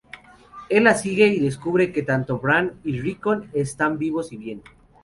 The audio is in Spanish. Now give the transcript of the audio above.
Él la sigue y descubre que tanto Bran y Rickon están vivos y bien.